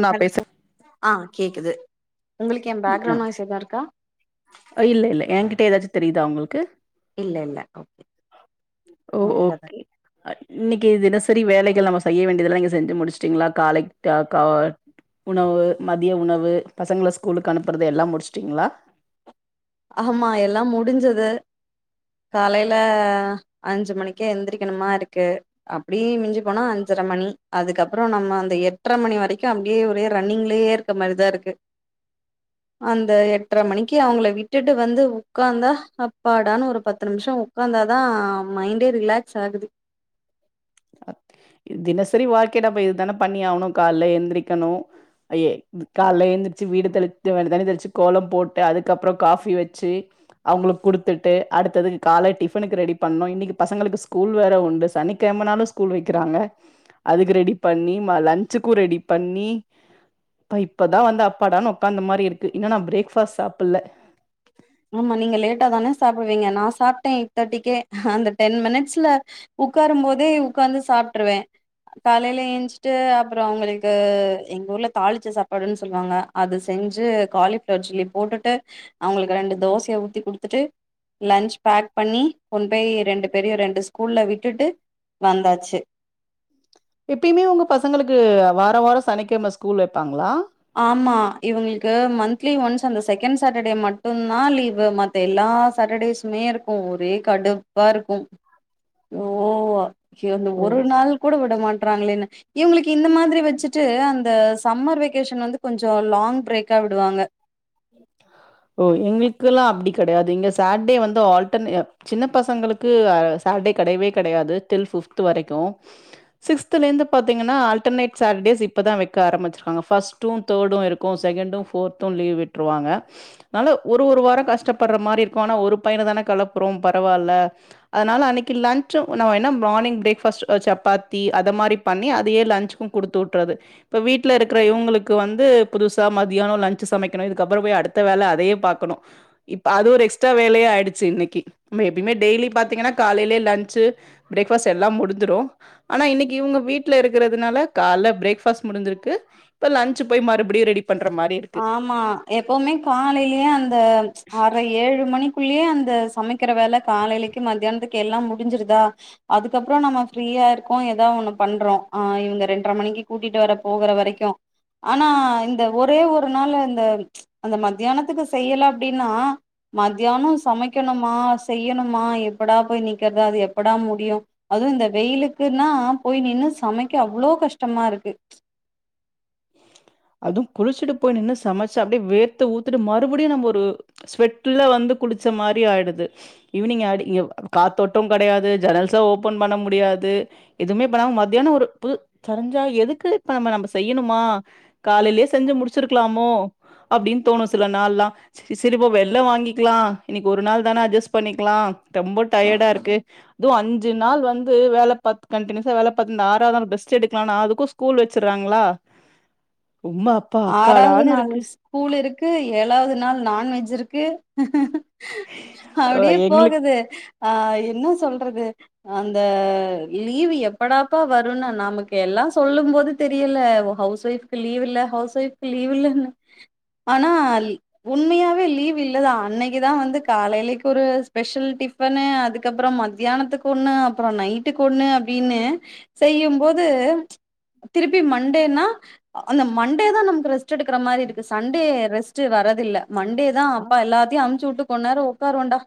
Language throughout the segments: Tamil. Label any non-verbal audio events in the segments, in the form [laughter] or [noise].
நா ஹலோ பேச ஆ கேக்குது உங்களுக்கு ஏ பேக்ரௌண்ட் நாய்ஸ் எதா இருக்கா ஆ இல்ல இல்ல என்கிட்ட ஏதாச்சு தெரியுதா உங்களுக்கு இல்ல இல்ல ஓகே ஓ ஓகேதா ஓகே இன்னைக்கு தினசரி வேலைகள் நம்ம செய்ய வேண்டியதெல்லா நீங்க செஞ்சு முடிச்சுட்டீங்களா காலைக் கா கா உணவு மதிய உணவு பசங்கள ஸ்கூலுக்கு அனுப்புறது எல்லா முடிச்சிட்டிங்களா ஆமா எல்லா முடிஞ்சது காலையில அஞ்சு மணிக்கே எந்திரிக்கணுமா இருக்கு அப்படியே மிஞ்சு போனா அஞ்சரை மணி அதுக்கப்புற நம்ம அந்த எட்டரை மணி வரைக்கு அப்டியே ஒரே ரன்னிங்லயே இரு க்க மாரி தா இருக்கு அந்த எட்ரை மணிக்கு அவங்கள வீட் விட்டுட்டு வந்து உக்காந்தா அப்பாடான்னு ஒரு பத்து நிமிஷ உக்காந்தாதா மைண் டே ரிலாக்ஸ் ஆகுது அ தினசரி வாழ்க்கடப்ப இதுதானே பண்ணி ஆகணு கால்ல எந்திரிக்கணு ஐயே காலைல எழுந்திச்சு வீடு தெளித்து தண்ணி தெளிச்சு கோலம் போட்டு அதுக்கப்பற காபி வச்சு அவங்களுக்கு கொடுத்துட்டு அடுத்ததுக்கு கால டிஃபனுக்கு ரெடி பண்ணு இன்னைக்கு பசங்களுக்கு ஸ்கூல் வேற உண்டு சனி கெம நாலு ஸ்கூல் வைக்கிறாங்க அதுக்கு ரெடி பண்ணி ம லஞ்சுக்கு ரெடி பண்ணி இப்ப இப்பதா வந்து அப்பாடான்னு உக்காந்த மாரி இருக்கு இன்னு நா பிரேக்ஃபாஸ்ட் சாப்பல்ல ஆமா நீங்க லேட்டா தான சாப்டுவீங்க நா சாப்ட்டே எயிட் தேர்டிக்கே அந்த டென் மினிட்ஸ்ல உக்காரும் போதே உக்காந்து சாப்ட்டுருவே காலையில ஏஞ்சிட்டு அப்பற அவங்களுக்கு எங்க ஊர்ல தாளிச்ச சாப்பாடுன்னு சொல்லுவாங்க அது செஞ்சு காலிஃப்ளவர் சில்லி போட்டுட்டு அவங்களுக்கு ரெண்டு தோசையை ஊத்தி குடுத்துட்டு லன்ச் பேக் பண்ணி கொண் போய் ரெண்டு பேரையு ரெண்டு ஸ்கூல்ல விட்டுட்டு வந்தாச்சு எப்பயுமே உங்க பசங்களுக்கு வார வார சனிக்கிழமை ஸ்கூல் வைப்பாங்களா ஆமா இவங்களுக்கு மந்த்லி ஒன்ஸ் அந்த செகண்ட் சேட்டர்டே மட்டுந்தா லீவு மத் எல்லா சேட்டர்டேஸுமே இருக்கு ஒரே கடுப்பா இருக்கு ஓ யோ அந்து ஓ ஒரு நாள் கூட விட மாட்டறாங்களேன்னு இவங்களுக்கு இந்த மாதிரி வச்சுட்டு அந்த சம்மர் வெக் கேஷன் வந்து கொஞ்ச லாங் ப்ரேக்கா விடுவாங்க ஓ எங்களுக்குல்லா அப்டி கெடையாது இங்க சாட்டே வந்து ஆல்ட்டனே சின்ன பசங்களுக்கு ஆ சாட்டே கெடையவே கெடையாது டில் ஃபிப்த் வரைக்கு சிக்ஸ்த்துல இருந்து பாத்தீங்கன்னா ஆல்டர்னேட் சாட்ட்டேஸ் இப்பதா வைக்க ஆரம்பிச்சிருக்காங்க ஃபஸ்ட் டூ தேர்டு இருக்கு செகண்டு ஃபோர்த்து லீவ் விட்ருவாங்க அனால ஒரு ஒரு வார கஷ்டப்படுற மாரி இருக்கு ஆனா ஒரு பையன தான கலப்புறோ பரவால்ல அதனால அன்னைக்கு லன்ஞ்சு நம்ம என்ன மார்னிங் ப்ரேக்ஃபாஸ்ட் சப்பாத்தி அத மாரி பண்ணி அதயே லஞ்சுக்கு குடுத்து வுட்றது இப்ப வீட்ல இருக்கிற இவங்களுக்கு வந்து புதுசா மதியான லஞ்சு சமைக் கணு இதுக்கப்புற போய் அடுத்த வேல அதையு பாக்கணு இப்ப அது ஒரு எக்ஸ்ட்ரா வேலையா ஆயிடுச்சு இன்னைக்கு எப்பயுமே டெய்லி பாத்தீங்கன்னா காலையிலயே லஞ்சு ப்ரேக்ஃபாஸ்ட் எல்லா முடிந்துரு ஆனா இன்னைக்கு இவங்க வீட்ல இருக்கறதுனால கால்ல ப்ரேக்ஃபாஸ்ட் முடிஞ்சிருக்கு இப்ப ல்சு போய் மறுபடியு ரெடி பண்ற மாரி இரு ஆமா எப்பவுமே காலையிலயே அந்த ஆர்ர ஏழு மணி குள்ளயே அந்த சமைக்கிற வேல காலையிலக்கு மதியானத்துக்கு எல்லா முடிஞ்சிருதா அதுக்கப்பற நம்ம ஃப்ரீயா இருக்கோ ஏதா ஒண்ணு பண்றோ ஆ இவங்க ரெண்ர மணிக்கு கூட்டிட்டு வர போகற வரைக்கு ஆனா இந்த ஒரே ஒரு நாள்ள இந்த அந்த மத்தியானத்துக்கு செய்யல அப்படின்னா மத்யான சமைக்கணுமா செய்யணுமா எப்படா போய் நீக்கறது அது எப்படா முடியு அது இந்த வெயிலுக்குன்னா போய் நின்னு சமைக்க அவ்வளோ கஷ்டமா இருக்கு அது குளிச்சுட்டு போய் நின்னு சமைச்சு அப்படியே வேர்த்து ஊத்துட்டு மறுபடியு நம்ம ஒரு ஸ்வெட்ல வந்து குளிச்ச மாரி ஆயிடுது ஈவினிங் ஆடி இங்க காத்தோட்ட கெடையாது ஜெனல்ஸா ஓப்பன் பண்ண முடியாது எதுவுமே பண்ணாம மத்தியான ஒரு பு தெரிஞ்சா எதுக்கு இப்ப நம்ம நம்ம செய்யணுமா காலையிலயே செஞ்சு முடிச்சிருக்கலாமோ அப்டின்னு தோணு சில நாள்லா ச சரிப்ப வெள்ள வாங்கிக்கலா இன்னைக்கு ஒரு நாள் தானே அட்ஜஸ்ட் பண்ணிக்கலா ரொம்ப டயர்டா இருக்கு அதுவு அஞ்சு நாள் வந்து வேல பாத்து கண்டினியூசா வேல பாத்து ஆறாவது நாள் பெஸ்ட் எடுக்கலான்னா அதுக்கு ஸ்கூல் வச்சுறாங்களா உம்மாப் ஆறாவது நாள் ஸ்கூல் இருக்கு ஏழாவது நாள் நான்வெஜ் இருக்கு அ அப்டியே எங்களுக்கு போகுது ஆ என்ன சொல்றது அந்த லீவ் எப்படாப்பா வருன்னு நமக்கு எல்லா சொல்லும் போது தெரியல ஹவுஸ் ஒயஃப்கு லீவ் இல்ல ஹவுஸ் ஒயஃப்கு லீவ் இல்லன்னு ஆனா உண்மையாவே லீவ் இல்லதா அன்னைக்குதா வந்து காலையிலக்கு ஒரு ஸ்பெஷல் டி இப்பன்னு அதுக்கப்பற மதியானத்துக்கு ஒண்ணு அப்பற நைட்டுக்கு ஒண்ணு அப்டின்னு செய்யும்போது திருப்பி மண்டேன்னா அந்த மண் டேதா நமக்கு ரெஸ்ட் எடுக்க மாரி இருக்கு சண்டே ரெஸ்ட் வரதில்ல மண்டே தா அப்பா எல்லத்தையு அச்சுவிட்டு கொண் உக்காருவோண்டா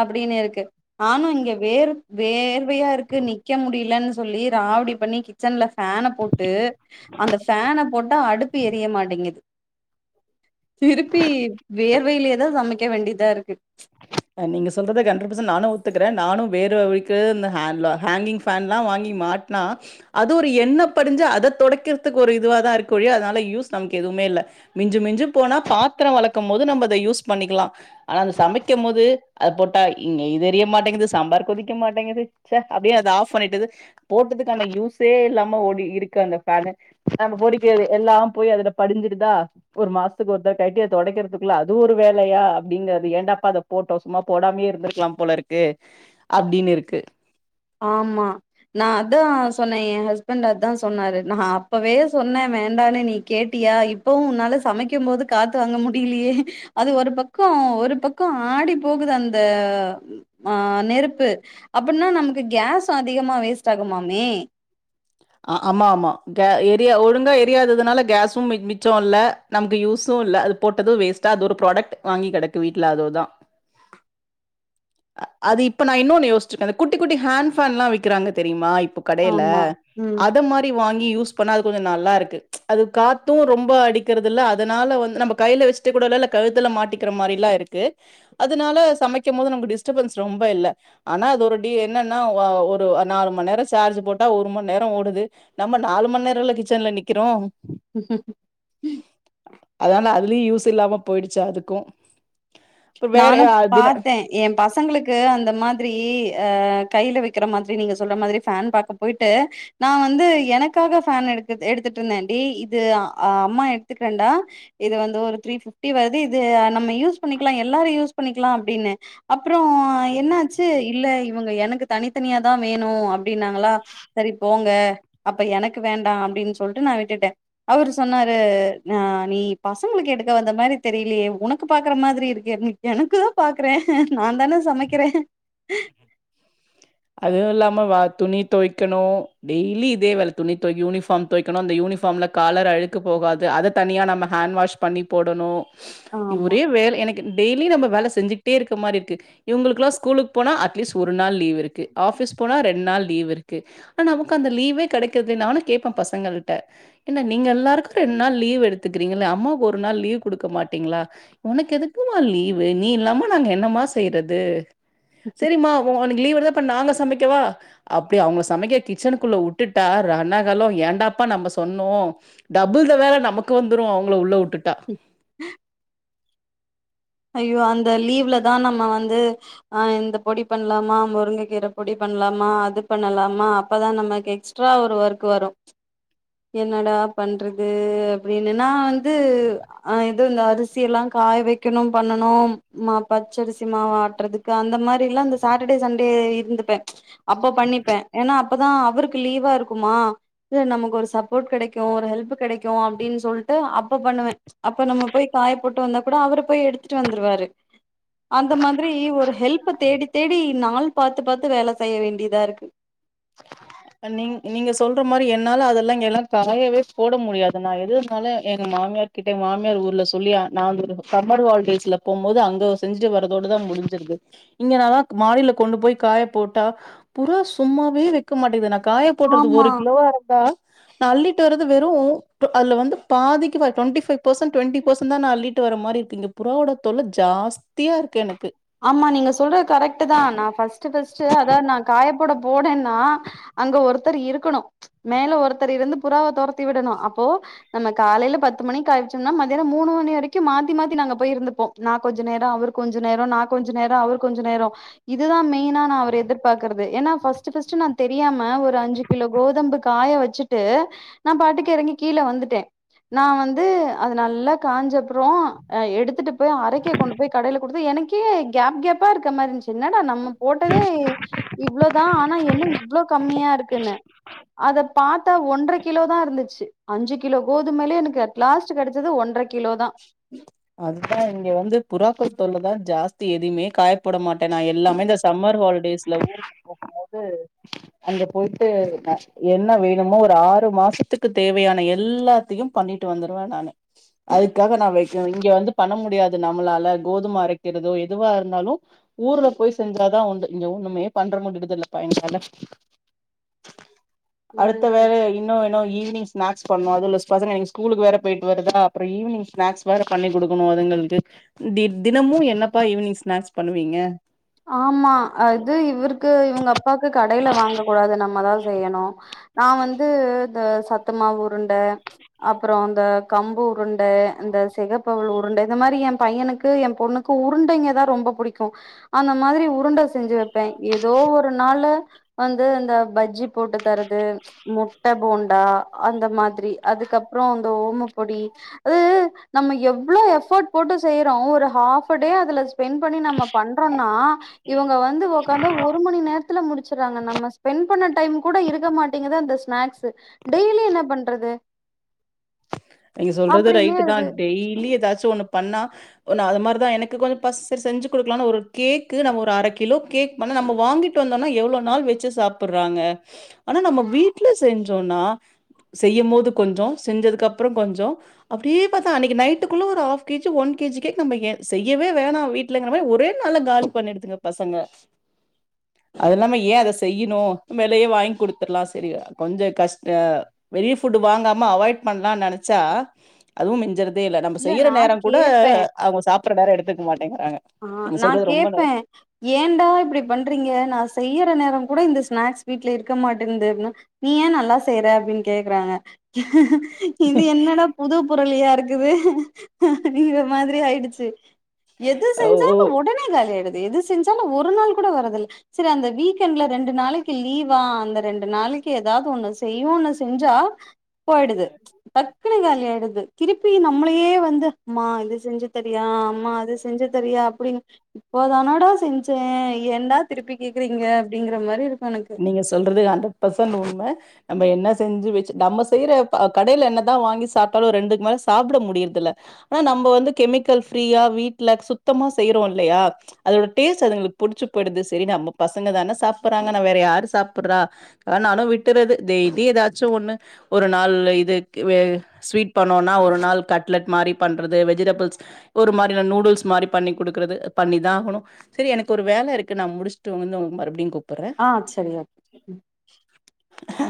அப்படின்னு இருக்கு ஆனா இங்க வேர் வேர்வையா இருக்கு நிக்க முடியலன்னு சொல்லி ராவடி பண்ணி கிச்சன்ல பேனை போட்டு அந்த பேனை போட்டா அடுத் மாட்டேங்குது திருப்பி வேர்வையிலேதான் சமைக்க வேண்டியதா இருக்கு அ நீங்க சொல்றத கன்ட்ரட் பர்சன் நானு ஒத்துக்கறே நானு வேற வழிக்கு இந்த ஹேண்ட் லா ஹேங்கிங் ஃபேன்லா வாங்கி மாட்னா அது ஒரு எண்ண படிஞ்சா அத தொடடைக்கிறதுக்கு ஒரு இதுவா தா இருக்வொளிய அதனால யூஸ் நமக்கு எதுமே இல்ல மிஞ்சு மிஞ்சு போனா பாத்திர வெலக்க போது நம்ம அத யூஸ் பண்ணிக்கிலா ஆனா அந்த சமை க்கு போது அது போட்டா இங்க இது எரிய மாட்டேங்குது சாம்பார் கொதிக்க மாட்டேங்குது ச்சே அப்டியே அத ஆஃப் பண்ணிட்டுது போட்டதுக்கு அந்த யூஸே இல்லாம ஓடி இருக்கு அந்த ஃபேனு நாம பொடிக்கறது எல்லாம் போய் அதுல படிஞ்சிடுதா ஒரு மாசத்துக்கு ஒரு தாட்டி ஆய்ட்டு அத தொடைக்கறதுக்குள்ள அதுவ்வொரு வேலையா அப்படிங்கறது ஏண்டாப்பா அத போட்டோ சும்மா போடாமே இருந்திருக்கலா போல இருக்கு அப்டின் இருக்கு ஆமா நா அதா சொன்னே எ ஹஸ்பண்ட் அத்தா சொன்னாரு நா அப்பவே சொன்னே வேண்டானனு நீ கேட்டியா இப்பவு உன்னால சமைக்கு போது காத்து வாங்க முடியிலியே அது ஒரு பக்கோ ஒரு பக்கோ ஆடி போகுது அந்த ஆ நெருப்பு அப்பன்னா நமக்கு கேஸு அதிகமா வேஸ்ட் ஆகுமாமே அ ஆமா ஆமா கே எரிய ஒழுங்கா எரியாததுனால கேஸு மிக் மிச்சோ இல்ல நமக்கு யூஸு இல்ல அது போட்டது வேஸ்டா அது ஒரு ப்ராடக்ட் வாங்கி கெடக்கு வீட்ல அதோ தா அது இப்ப நா இன்னோனு யோச்சிருக்கே அந்த குட்டி குட்டி ஹேன் ஃபேன்ல்ல விக்கிறாங்க தெரியுமா இப் கடையில ஆமா ம் அத மாரி வாங்கி யூஸ் பன்னா அது கொஞ்ச நல்லாருக்கு அது காத்து ரொம்ப அடிக்கிறதில்ல அதனால வந்து நம்ம கைய்ல வெச் சிட்டு கூட இல்ல கழுத்துல மாட்டிக்கிற மாரில்லா இருக்கு அதனால சமைக்கு போது நமக்கு டிஸ்டபன்ஸ் ரொம்ப இல்ல ஆனா அது ஒரு டி என்னன்னா ஒ ஒரு நாலு மண் நேர சார்ஜ் போட்டா ஒரு மண் நேர ஓடுது நம்ம நாலு மண் நேரோல்ல கிச்சன்ல நிக்கிறோ அதனால அதுலயு யூஸ் இல்லாம போயிடுச்சு அதுக்கும் அப்றோ வேற நானு ஆப்டின பாத்தே எ பசங்களுக்கு அந்த மாதிரி அ கைய்ல வெக்கிற மாதிரி நீங்க சொல்ற மாதிரி ஃபேன் பாக்க போய்ட்டு நா வந்து எனக்காக ஃபேன் எடு எடுத்துட்டு இருந்தே டி இது அ அம்மா எடுத்துக்கிறேன்டா இது வந்து ஒரு த்ரீ ஃபிஃப்டி வருது இது நம்ம யூஸ் பண்ணிக்லா எல்லாரு யூஸ் பண்ணிக்லா அப்டின்னு அப்றோ என்னாச்சு இல்ல இவுங்க எனக்கு தனித்தனியாதா வேணு அப்டின்னாங்களா செரி போங்க அப்ப எனக்கு வேண்டா அப்டின் சொல்ட்டு நா விட்டுட்டே அவுரு சொன்னாரு ஆ நீ பசங்களுக்கு எடுக்க வந்த மாரி தெரிலையே உனக்கு பா க்கற மாரி இருக்கே [inaudible] எனக்கு பாக்குறே நா தானே சமைக்கிறே அதுவு இல்லாம வ துணி தொவைக்கணு டெய்லி இதே வேல துணி தொவைக்க யூனிஃபாம் தொக்கணு அந்த யூனிபார்மல காலர் அழுக்கு போகாது அத தனிய நாம ஹேண்ட் வாஷ் பண்ணி போடணு இ ஆமா ஒரே வேல எனக் டெய்லி நம்ம வேல செஞ்சிக்ட்டே இருக்க மாரி இருக்கு இவுங்களுக்குலா ஸ்கூலுக் போனா அட்லீஸ் ஒரு நாள் லீவ் இருக் கு ஆஃபிஸ் போனா ரெண் நாள் லீவ் இருக்கு அ நமக்கு அந்த லீவே கெடைக்கறதில்ல நானு கேப்ப பசங்கள்ட்ட என்ன நீங் எல்லாருக்கு ரெண் நாள் லீவ் எடுத்துக்கிறீங்கல்ல அம்மாவுக்கு ஒரு நாள் லீவ் குடுக்க மாட்டீங்ளா உனக்கு எதுக்குமா லீவு நீ இல்லாம நாங்க என்னமா செய்யறது செரிம்மா உனக்கு லீவ் [unintelligible] இப்ப நாங்க சமைக்கவா அப்டி அவுங்கள சமைக்க கிச்சனுக்குள்ள உட்டுட்டா ரனாகலோ ஏண்டாப்பா நம்ப சொன்னோ டபுள் த வேல நமக்கு வந்துரு அவங்கள உள்ள உட்டுட்டா உஹ ஐயோ அந்த லீவ்ல தா நம்ம வந்து ஆ இந்தப் பொடி பண்ணலாமா முருங்கை கீரை பொடி பண்ணலாமா அது பண்ணலாமா அப்பதா நம்மக்கு எக்ஸ் ட்ரா ஒரு ஓர்க் வரு என்னடா பண்றது அப்டின்னு நா வந்து ஆ எது இந்த அரிசி எல்லா காய வெக் வெக்கணு பண்ணனு மா பச்சரிசி மாவாட்டறதுக்கு அந்த மாரி எல்லா இந்த சாட்டர்டே சண்டே இருந்துப்பே அப்போ பண்ணிப்பே ஏன்னா அப்பதா அவருக்கு லீவா இருக்குமா இல்ல நமக்கு ஒரு சப்போட் கெடைக்கு ஒரு ஹெல்ப் கெடைக்கு அப்டின்னு சொல்ட்டு அப்ப பண்ணுவே அப்ப நம்ம போய் காய போட்டு வந்தா கூட அவரு போய் எடுத்துட்டு வந்துருவாரு அந்த மாதிரி ஒரு ஹெல்ப தேடி தேடி நாள் பாத்து பாத்து வேல செய்ய வேண்டியதா இருக்கு நீ நீங்க சொல்ற மாரி என்னால அதெல்லா இங்க எல்லா காயவே போட முடியாது நா எதுனாலு எங்க மாமியார் கிட்டே மாமியார் ஊர்ல சொல்லியா நா அவங்களு சம்மர் ஹாலிடேஸ்ல போம்போது அங்க செஞ்சு வரதோடதா முடிஞ்சிருது இங்கனாலா மாடியில கொண்டு போய் காய போட்டா புறா சும்மாவே வெக் க மாட்டேங்கது நா காய போடறது ஆமா ஒரு கிலோவா இருந்தா நா அள்ளிட்டு வர்றது வெறு டொ அதுல வந்து பாதிக்கி டுவண்டிஃபைவ் பர்சண்ட் டுவண்டி பர்சண்ட் தா நா அள்ளிட்டு வர மாரி இங்க புறாவோட தொல்ல ஜாஸ்தியா இருக்கு எனக்கு ஆமா நீங்க சொல்றது கரெக்ட் தா நா ஃபஸ்ட்டு ஃபஸ்டு அத நா காயப் போட போனேன்னா அங்க ஒருத்தர் இருக்கணு மேல ஒருத்தர் இருந்து புறாவ தொரத்தி விடணு அப்போ நம்ம காலையில பத்து மணிக்கு காயவச்சோன்ன மத்தியான மூணு மணி வரைக்கு மாத்தி மாத்தி நாங்க போய் இருந்துப்போ நா கொஞ்ச நேரோ அவரு கொஞ்ச நேரோ நா கொஞ்ச நேரோ அவரு கொஞ்ச நேரோ இதுதா மெயினா நா அவர எதிர்பாகறது ஏன நா ஃபர்ஸ்ட் ஃபர்ஸ்ட் தெரியாம ஒரு அஞ்சு கிலோ கோதம்பு காய வச்சுட்டு நா பாட்டுக்கு எறங்கி கீழே வந்துட்டே நா வந்து அது நல்லா காஞ்ச அப்புறோ அ எடுத்துட்டு போய் அரைக்க கொண்டு போய் கடையில குடுத்து எனக் கே கேப் கேப்பா இருக்க மாரி இருச்சு என்னடா நம்ம போட்டதே இவ்வளோதா ஆனா என்ன இவ்வளோ கம்மியா இருக்குன்னு அத பாத்தா ஒன்றரை கிலோ தா இருந்துச்சு அஞ்சு கிலோ கோதுமையிலே எனக் லாஸ்ட் கெடைச்சது ஒன்றரை கிலோ தா அதுத இங்க வந்து புறாக்கள் தொல்ல தா ஜாஸ்தி எதுவுமே காயப்பட மாட்டே நா எல்லாமே இந்த சம்மர் ஹாலிடேஸ் இல ஊருக்கு போம் போது [inaudible] அங்கே போயிட்டு நா என்ன வேணுமோ ஒரு ஆறு மாசத்துக்கு தேவையான எல்லாத்தையும் பண்ணிட்டு வந்துருவே நானு அதுக்காக நா வெக்கறது இங்க வந்து பண்ண முடியாது நம்மளால கோதும அரைக்கிறதோ எதுவா இருந்தாலு ஊர்ல போய் செஞ்சாதா உண்டு இங்க ஒண்ணுமே பண்ற முடியுது இல்லப்ப என்னால [inaudible] அடுத்த வேலைய் இன்னு இன்னு ஈவினிங் ஸ்னாக்ஸ் பண்ணு அதுல பசங்க நீங்க ஸ்கூல் வேற போயிட்டு வருதா அப்புற ஈவினிங் ஸ்நாக்ஸ் வேற பண்ணி குடுக்கணு அதுங்களுக்கு தி தினமும் என்னப்பா ஈவினிங் ஸ்நாக்ஸ் பண்ணுவீங்க ஆமா அது இவருக்கு இவங்க அப்பாக்கு கடையில வாங்க கூடாது நம்மதா செய்யணு நா வந்து இந்த சத்துமாவு உருண்டை அப்புறோ இந்த கம்பு உருண்டை இந்த சிகப்பவுல் உருண்டை இந்த மாரி எ பையனுக்கு எ பொண்ணு க்கு உருண்டைங்கதா ரொம்ப புடிக்கு அந்த மாதிரி உருண்டை செஞ்சு வைப்பே ஏதோ ஒரு நாள் வந்து இந்த பஜ்ஜி போட்டு தரது முட்டை போண்டா அந்த மாதிரி அதுக்கு அப்புறோ அந்த ஓமோ பொடி [unintelligible] நம்ம எவ்ளோ எஃபர்ட் போட்டு செய்யறோ ஒரு ஹாப்படே அதுல ஸ்பெண்ட் பண்ணி நம்ம பண் றன்னா இவங்க வந்து ஒக்காந்து ஒரு மணி நேரத்துல முடிச்சறாங்க நம்ம ஸ்பெண்ட் பண்ண டைம் கூட இருக்க மாட்டேங்குது அந்த ஸ்நாக்ஸ்சு டெய்லி என்ன பண்றது நீங்க சொல்றது அப்டின்னே ரைட்டுதா இருக்கு டெய்லி ஏதாச்சு ஒண்ணு பண்ணா நா அது மாரி தா எனக்கு கொஞ்ச பஸ் சரி செஞ்சு குடுக்கலாம்னு ஒரு கேக்கு நம் ஒரு அரை கிலோ கேக் ஆனா நம்ம வாங்கிட்டு வந்தோனா எவ்வளோ நாள் வச்சு சாப்புறாங்க ஆனா நம்ம வீட்ல செஞ்சோன்னா செய்யும் போது கொஞ்ச செஞ்சதுக்கப்பறோ கொஞ்ச அப்படியே பாத்தா அன்னைக்கு நைட்டுக்குள்ள ஒரு half KG one KG cake நம் ஏ செய்யவே வேணா வீட் ங்கிற மாரி ஒரே நாள்ள காலி பண்ணிடுதுங்க பசங்க அது இல்லாம ஏ அத செய்யணு மேலையே வாங்கி குடுத்துடலா சரியா கொஞ்ச கஷ்ட வெளிய ஃபுட் வாங்காம அவாய்ட் பண்ணலாம்னு நெனைச்சா அதுவு மிஞ்சர அதே இல்ல நம்ம செய்யற நா நேர கூட கேப்பே அவங்க சாப்பற நேர எடுத்துக்க மாட்டேங்கிறாங்க ஆ நீங்க நா சொல்றது ரொம்ப ந கேப்பே ஏன்டா இப்டி பண்றீங்க நா செய்யற நேர கூட இந்த ஸ்நாக்ஸ் வீட்ல இருக்க மாட்டேந்து அப்டின நீ ஏ நல்லா செய்யற அப்படின் கேக்குறாங்க இது என்னடா புது புருளியா இருக்குது அப்டிங்கிற மாதிரி ஆயிடுச்சு எது அ ஓ செஞ்சாலு ஒடனே காலியாயிடுது எது செஞ்சாலு ஒரு நாள் கூட வரதில்ல சரி அந்த வீக்கெண்ட்ல ரெண்டு நாளைக்கு லீவா அந்த ரெண்டு நாளைக்கு ஏதாவது ஒண்ணு செய்வோன்னு செஞ்சா போயிடுது டக்குனு காலி ஆய்டுது திருப்பி நம்மளயே வந்து அம்மா இது செஞ்சு தரியா ஆமா அது செஞ்சு தரியா அப்டின் இப்போதானடா செஞ் சே என்டா திருப்பி கேக்குறீங்க அப்டிங்கற மாரி இருக்கு எனக் நீங்க சொல்றது ஹண்ட்ரட் பர்சன்ட் உண்ம நம்ம என்ன செஞ்சு வச்ச நம்ம செய்யற ப கடையில என்னதா வாங்கி சாப்ட்டாலு ரெண்டுக்கு மேல சாப்ட முடியுறதில்ல ஆனா நம்ம வந்து கெமிக்கல் ஃப்ரீயா வீட்ல சுத்தமா செய்யறோ இல்லையா அதோட டேஸ்ட் அதுங்களுக்கு புடிச்சு போயிடுது சரி நம்ம பசங்க தான சாப்பறாங்க நா வேற யாரு சாப்புறா ஆ நானு விட்டுறது இது இதி ஏதாச்சு ஒண்ணு ஒரு நாள்ள இதுக் வே ஸ்வீட் பண்ணோனா ஒரு நாள் கட்லெட் மாரி பண்றது வெஜிடபிள்ஸ் ஒரு மாரி நா நூடுல்ஸ் மாரி பண்ணி குடுக்குறது பண்ணிதா ஆகணு சரி எனக்கு ஒரு வேல இருக்கு நா முடிச்சுட்டு வந்து உங்க மறுபடியு கூப்புறே ஆ சரி ஓகே அ